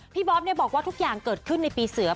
บ๊อบบอกว่าทุกอย่างเกิดขึ้นในปีเสือ